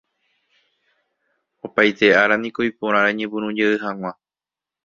Opaite áraniko iporã reñepyrũjey hag̃ua